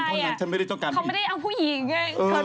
เพราะฉะนั้นฉันไม่ได้ต้องการพี่เขาไม่ได้เอาผู้หญิง